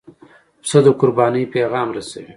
پسه د قربانۍ پیغام رسوي.